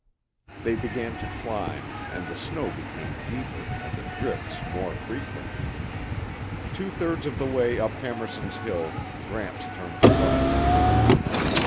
They began to climb, and the snow became deeper and the drifts more frequent. Two thirds of the way up Hammerson's Hill, Gramps turned to Bud.